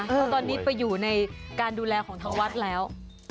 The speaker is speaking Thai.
เพราะตอนนี้ไปอยู่ในการดูแลของทางวัดแล้ว